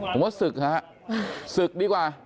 ผมว่าศึกฮะศึกดีกว่า